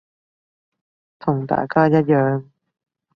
同大家一樣